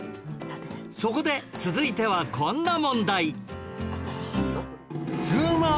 そこで続いてはこんな問題